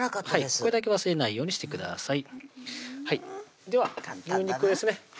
これだけ忘れないようにしてくださいでは牛肉ですね